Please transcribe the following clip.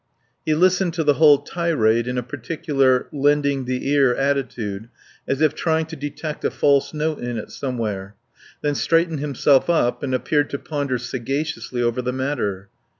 He listened to the whole tirade in a particular lending the ear attitude, as if trying to detect a false note in it somewhere; then straightened himself up and appeared to ponder sagaciously over the matter.